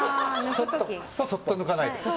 そっと抜かないと。